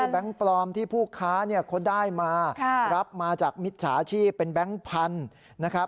แก๊งปลอมที่ผู้ค้าเขาได้มารับมาจากมิจฉาชีพเป็นแบงค์พันธุ์นะครับ